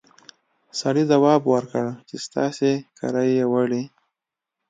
سړي ځواب ورکړ چې ستاسې کره يې وړي!